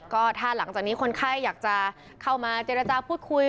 ก็ถ้าหลังจากนี้คนไข้อยากจะเข้ามาเจรจาพูดคุย